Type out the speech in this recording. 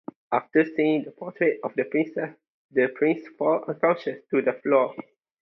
After seeing the portrait of the princess, the prince falls unconscious to the floor.